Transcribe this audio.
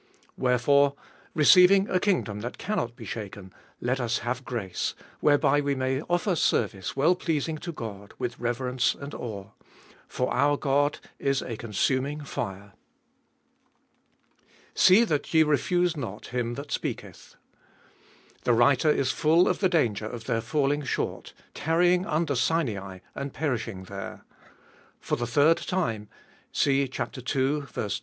28. Wherefore, receiving a kingdom that cannot be shaken, let us have grace, whereby we may offer service well pleasing to God with reverence and awe : 29. For our God is a consuming fire. See that ye refuse not Him that speaketh. The writer is full of the danger of their falling short, tarrying under Sinai, and perishing there. For the third time (see ii. 2 ; x.